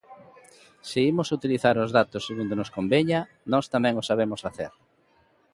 Se imos utilizar os datos segundo nos conveña, nós tamén o sabemos facer.